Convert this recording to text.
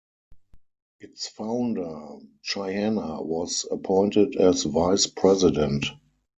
Its founder, Chihana was appointed as vice-president.